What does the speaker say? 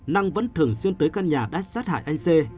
năng vẫn thường xuyên tới căn nhà đã sát hại anh c